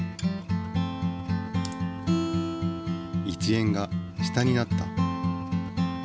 １円が下になった。